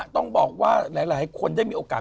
ต้องบอกว่าหลายคนได้มีโอกาส